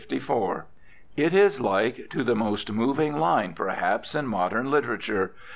It is like to the most moving line, perhaps, in modern literature.